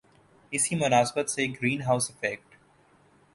اسی مناسبت سے گرین ہاؤس ایفیکٹ